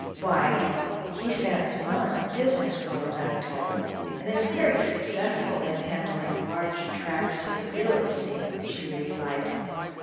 "Why, he stands well in the business world, I'm told, and is very successful in handling large tracts of real estate," she replied.